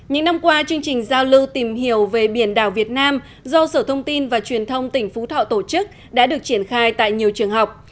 những năm qua chương trình giao lưu tìm hiểu về biển đảo việt nam do sở thông tin và truyền thông tỉnh phú thọ tổ chức đã được triển khai tại nhiều trường học